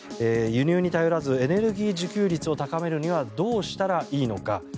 輸入に頼らずエネルギー自給率を高めるにはどうしたらいいのか。